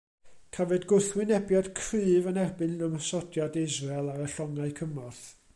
Cafwyd gwrthwynebiad cryf yn erbyn ymosodiad Israel ar y llongau cymorth.